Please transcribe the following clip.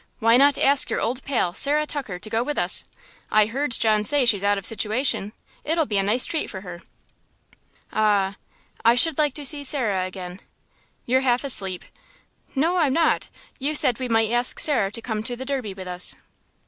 Why not ask your old pal, Sarah Tucker, to go with us? I heard John say she's out of situation. It'll be a nice treat for her." "Ah.... I should like to see Sarah again." "You're half asleep." "No, I'm not; you said we might ask Sarah to come to the Derby with us."